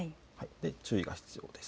注意が必要です。